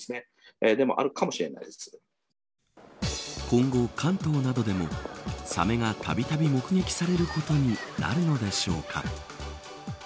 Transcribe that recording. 今後、関東などでもサメがたびたび目撃されることになるのでしょうか。